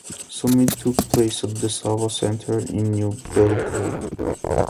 Summit took place at the Sava Centar in New Belgrade.